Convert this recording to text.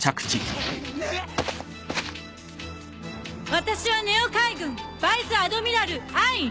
私はＮＥＯ海軍バイス・アドミラルアイン。